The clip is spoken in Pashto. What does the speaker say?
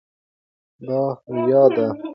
دا ریا ده.